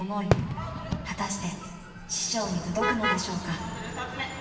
［果たして師匠に届くのでしょうか］